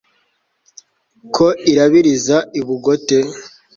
ko irabiriza i bugote